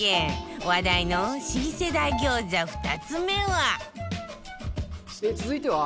話題の新世代餃子２つ目は